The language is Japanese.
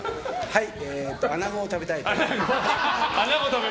はい。